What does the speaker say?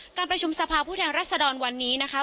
การประชุมสภาพผู้แทนรัศดรวันนี้นะคะ